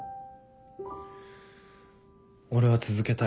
俺は続けたい。